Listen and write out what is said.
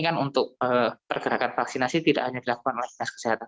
kan untuk pergerakan vaksinasi tidak hanya dilakukan oleh kesehatan